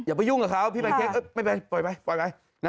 อย่าไปยุ่งกับเขาพี่เป็นเค้กไม่เป็นปล่อยไป